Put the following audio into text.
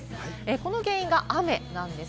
この原因が雨なんです。